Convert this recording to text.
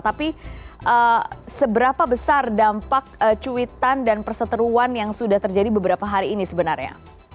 tapi seberapa besar dampak cuitan dan perseteruan yang sudah terjadi beberapa hari ini sebenarnya